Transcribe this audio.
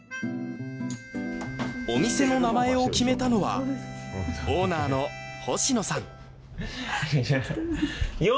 お店の名前を決めたのはオーナーの星野さん。